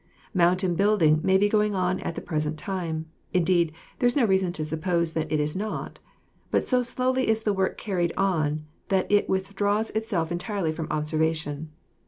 Mountain building may be going on at the present time; indeed, there is no reason to suppose that it is not, but so slowly is the work carried on that it withdraws itself en tirely from observation.